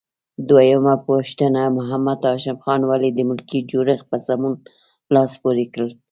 دویمه پوښتنه: محمد هاشم خان ولې د ملکي جوړښت په سمون لاس پورې کړ؟